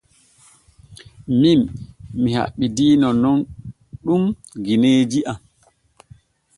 Min mi haɓɓidiino nun ɗum gineeji am.